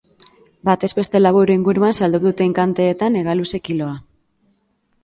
Batazbeste lau euro inguruan saldu dute enkanteetan, hegaluze-kiloa.